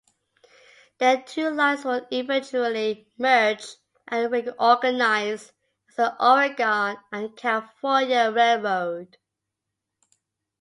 The two lines would eventually merge and reorganize as the Oregon and California Railroad.